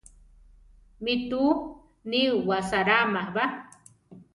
Mi túu ni wasaráma ba.